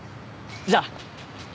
じゃあ。